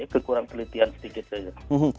kekurang kelitian sedikit saja